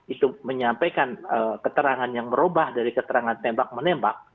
itu menyampaikan keterangan yang berubah dari keterangan tembak menembak